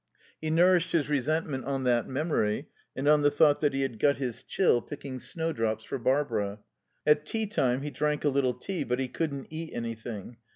He nourished his resentment on that memory and on the thought that he had got his chill picking snowdrops for Barbara. At tea time he drank a little tea, but he couldn't eat anything.